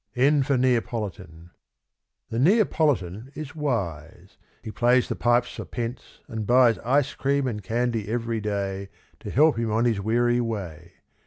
N for Neapolitan. The Neapolitan is wise, He plays the pipes for pence, and buys Ice cream and candy every day To help him on his weary way.